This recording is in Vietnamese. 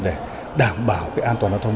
để đảm bảo cái an toàn giao thông